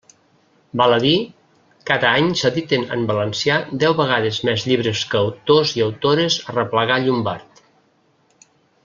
Val a dir, cada any s'editen en valencià deu vegades més llibres que autors i autores arreplegà Llombart.